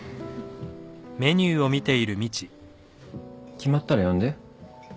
決まったら呼んで。